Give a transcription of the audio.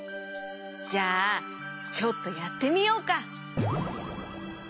じゃあちょっとやってみようか。